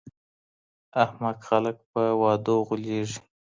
احمق خلګ په وعدو غولیږي.